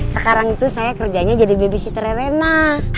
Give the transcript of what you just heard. sekarang itu saya kerjanya jadi babysitter reina